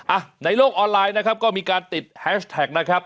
อ่ะในโลกออนไลน์นะครับก็มีการติดแฮชแท็กนะครับ